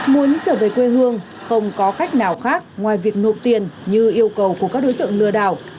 muốn trở về quê hương không có cách nào khác ngoài việc nộp tiền như yêu cầu của các đối tượng lừa đảo